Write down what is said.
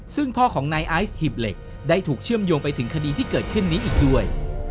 ซึ่งพ่อของนายไอซ์หีบเหล็กได้ถูกเชื่อมโยงไปถึงคดีที่เกิดขึ้นนี้อีกด้วย